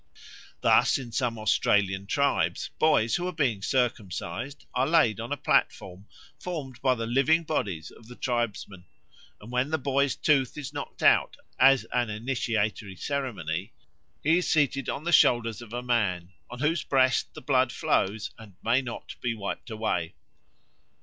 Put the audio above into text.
Thus in some Australian tribes boys who are being circumcised are laid on a platform, formed by the living bodies of the tribesmen; and when a boy's tooth is knocked out as an initiatory ceremony, he is seated on the shoulders of a man, on whose breast the blood flows and may not be wiped away.